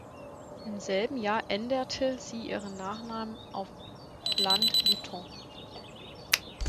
Im selben Jahr änderte sie ihren Nachnamen auf "Blunt-Lytton".